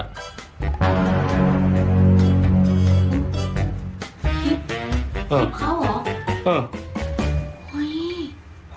คลิปเค้าเหรอ